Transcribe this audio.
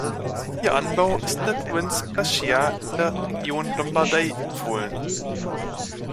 Ihr Anbau ist in der Provinz Brescia in der Region Lombardei empfohlen.